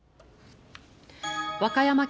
和歌山県